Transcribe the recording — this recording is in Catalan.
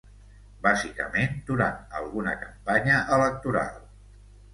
Bàsicament, durant alguna campanya electoral.